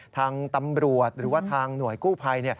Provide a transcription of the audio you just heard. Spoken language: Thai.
ทางตำรวจหรือว่าทางหน่วยกู้ภัย